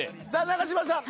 永島さん。